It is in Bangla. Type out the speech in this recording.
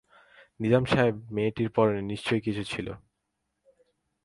নিজাম সাহেবের মেয়েটির পরনে নিশ্চয়ই কিছু ছিল।